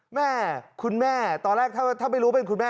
แม่คุณแม่ตอนแรกถ้าไม่รู้เป็นคุณแม่